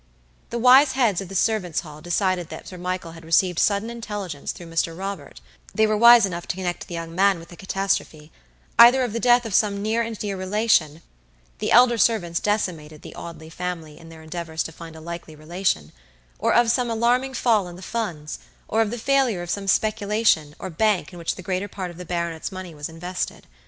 The wiseheads of the servants' hall decided that Sir Michael had received sudden intelligence through Mr. Robertthey were wise enough to connect the young man with the catastropheeither of the death of some near and dear relationthe elder servants decimated the Audley family in their endeavors to find a likely relationor of some alarming fall in the funds, or of the failure of some speculation or bank in which the greater part of the baronet's money was invested.